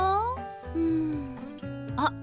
うん。あっ！